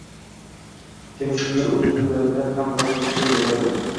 Kim uchundir o`z suyaklarimdan voz kechgan bo`larmidim